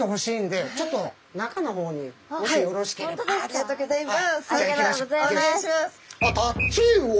ありがとうございます。